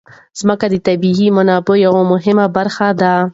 ځمکه د طبیعي منابعو یوه مهمه برخه ده.